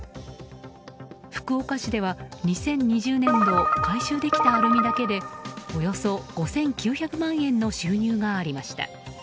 福岡市では２０２０年度回収できたアルミだけでおよそ５９００万円の収入がありました。